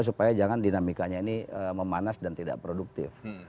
supaya jangan dinamikanya ini memanas dan tidak produktif